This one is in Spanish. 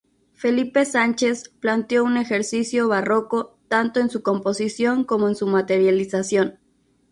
Felipe Sánchez planteó un ejercicio barroco tanto en su composición como en su materialización.